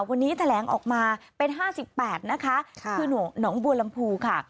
วันนี้แทลงออกมาเป็นห้าสิบแปดนะคะคือหนวงน้องบัวลำพูค่ะ